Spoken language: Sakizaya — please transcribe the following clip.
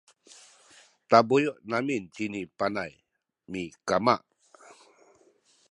tabuyu’ amin cini Panay mikama